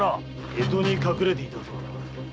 江戸に隠れていたとはな。